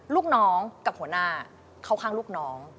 ลูกน้องกับหัวหน้าเข้าข้างลูกน้อง